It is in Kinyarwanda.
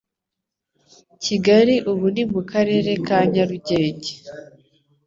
Kigali ubu ni mu Karere ka Nyarugenge